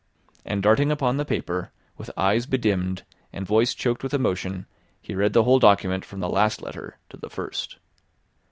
And darting upon the paper, with eyes bedimmed, and voice choked with emotion, he read the whole document from the last letter to the first.